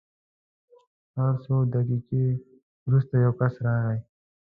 هر څو دقیقې وروسته یو بس راغی.